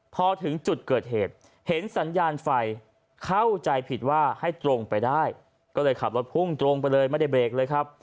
พอถึงจุดเกิดเหตุเห็นสัญญาณไฟเข้าใจผิดว่าให้ตรงไปได้ก็เลยขับรถพุ่งตรงไปเลยไม่ได้เบรกเลยครับ